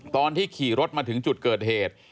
ตอนที่ขี่รถมาถึงจุดเกิดเหตุ